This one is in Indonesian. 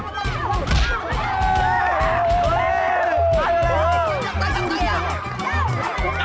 gue baru melihat bentuk minum bisa ngomong